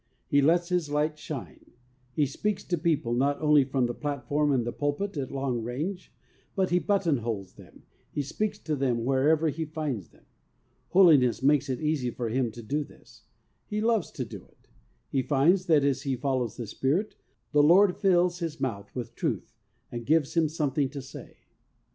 He lets his light shine. He speaks to people not only from the platform and the pulpit at long range, but he button holes them, and speaks to them wherever he finds them. Holiness makes it easy for him to do this. He loves to do it. He finds that, as he follows the Spirit, the Lord fills his mouth with truth, and gives him some thing to say.